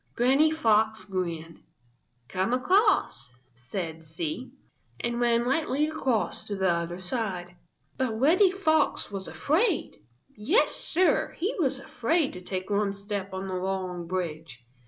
Granny Fox grinned. "Come across," said she, and ran lightly across to the other side. But Reddy Fox was afraid. Yes, Sir, he was afraid to take one step on the long bridge.